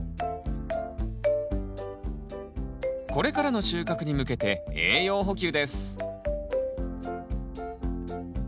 これからの収穫に向けて栄養補給です